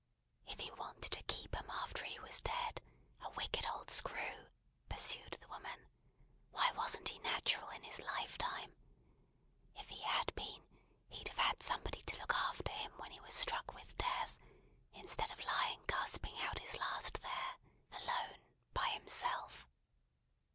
"If he wanted to keep 'em after he was dead, a wicked old screw," pursued the woman, "why wasn't he natural in his lifetime? If he had been, he'd have had somebody to look after him when he was struck with Death, instead of lying gasping out his last there, alone by himself."